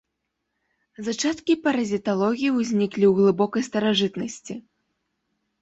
Зачаткі паразіталогіі ўзніклі ў глыбокай старажытнасці.